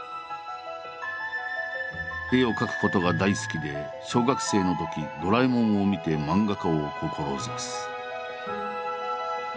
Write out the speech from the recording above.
絵を描くことが大好きで小学生のとき「ドラえもん」を見て漫画家を志す。